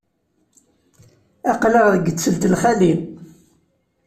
Aql-aɣ deg ttelt lxali.